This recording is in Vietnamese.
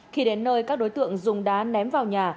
khi đến nơi các đối tượng dùng đá ném vào nhà